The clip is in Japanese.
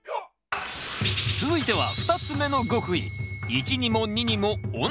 続いては２つ目の極意